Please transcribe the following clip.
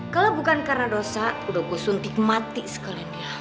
kalau bukan karena dosa udah gue suntik mati sekali